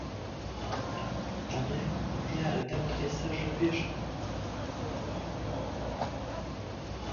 دەڵێ دیارە دەمت ئێستاش لەپێشە